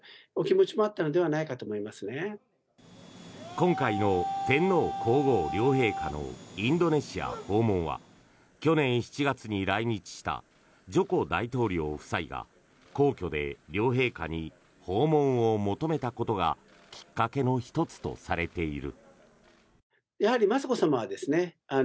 今回の天皇・皇后両陛下のインドネシア訪問は去年７月に来日したジョコ大統領夫妻が皇居で両陛下に訪問を求めたことがきっかけの１つとされている。